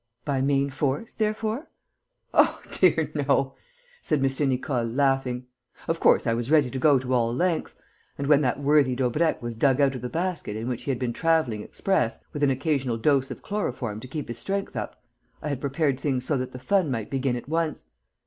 "By main force, therefore?" "Oh, dear, no!" said M. Nicole, laughing. "Of course, I was ready to go to all lengths; and, when that worthy Daubrecq was dug out of the basket in which he had been travelling express, with an occasional dose of chloroform to keep his strength up, I had prepared things so that the fun might begin at once.